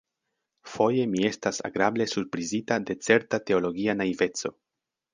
Foje mi estas agrable surprizita de certa teologia naiveco.